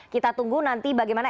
kita tunggu nanti bagaimana